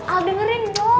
aku dengerin dong